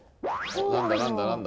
何だ何だ何だ？